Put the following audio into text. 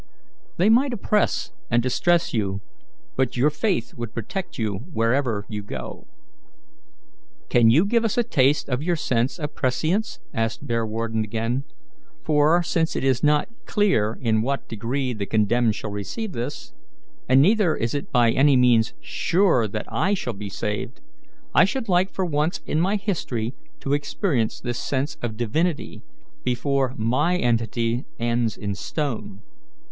"They might oppress and distress you, but your faith would protect you wherever you might go." "Can you give us a taste of your sense of prescience?" asked Bearwarden again; "for, since it is not clear in what degree the condemned receive this, and neither is it by any means sure that I shall be saved, I should like for once in my history to experience this sense of divinity, before my entity ends in stone."